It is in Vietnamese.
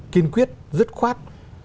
kiên quyết dứt khoát